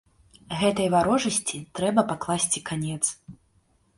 Гэтай варожасці трэба пакласці канец.